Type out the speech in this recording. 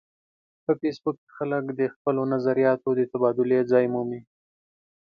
په فېسبوک کې خلک د خپلو نظریاتو د تبادلې ځای مومي